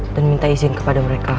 dan minta izin kepada mereka